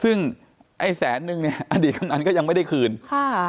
ซึ่งไอ้แสนนึงเนี่ยอดีตกำนันก็ยังไม่ได้คืนค่ะ